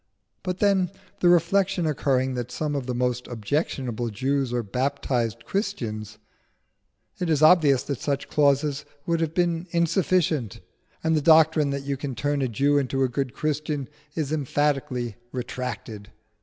But then, the reflection occurring that some of the most objectionable Jews are baptised Christians, it is obvious that such clauses would have been insufficient, and the doctrine that you can turn a Jew into a good Christian is emphatically retracted.